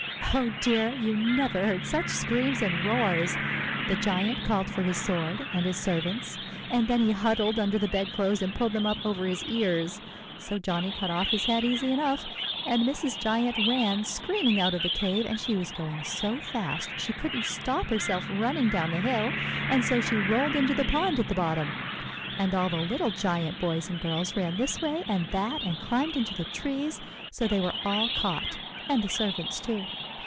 "Oh, dear! you never heard such screams and roars! The giant called for his sword, and his servants; and then he huddled under the bed clothes, and pulled them up over his ears. So Johnny cut off his head easy enough; and Mrs. Giant ran screaming out of the cave, and she was going so fast she couldn't stop herself running down the hill, and so she rolled into the pond at the bottom; and all the little Giant boys and girls ran this way and that and climbed into the trees, so they were all caught, and the servants too.